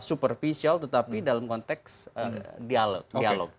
superficial tetapi dalam konteks dialog